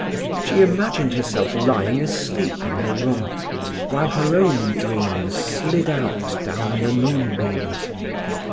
She imagined herself lying asleep in her room, while her own dreams slid out down the moonbeams.